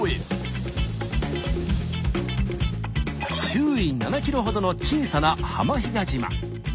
周囲７ｋｍほどの小さな浜比嘉島。